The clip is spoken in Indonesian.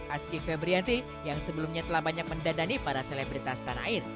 aski febrianti yang sebelumnya telah banyak mendadani para selebritas tanah air